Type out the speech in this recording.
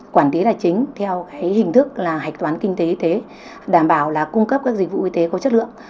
quản lý tài chính theo hình thức hạch toán kinh tế y tế đảm bảo cung cấp các dịch vụ y tế có chất lượng